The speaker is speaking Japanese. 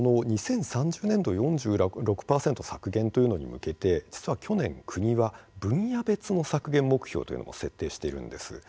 ２０３０年度４６％削減というのに向けて実は去年国が分野別の削減目標というのを設定しているんです。